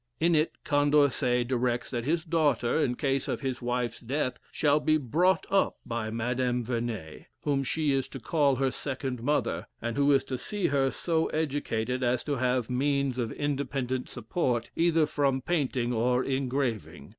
In it Condorcet directs that his daughter, in case of his wife's death, shall be brought up by Madame Vernet, whom she is to call her second mother, and who is to see her so educated as to have means of independent support either from painting or engraving.